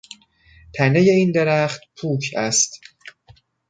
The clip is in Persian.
تنهی این درخت پوک است.